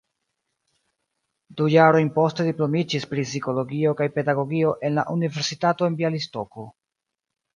Du jarojn poste diplomiĝis pri psikologio kaj pedagogio en la Universitato en Bjalistoko.